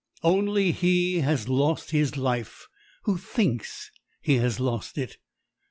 _ Only he has lost his life who thinks he has lost it.